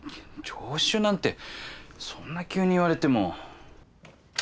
助手なんてそんな急に言われても。